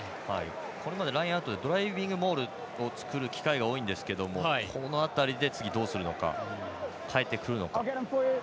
これまでラインアウトでドライビングモールを作る機会が多いんですけどこの辺りで、次どうするのか、変えてくるのか。